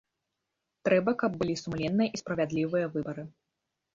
Трэба, каб былі сумленныя і справядлівыя выбары.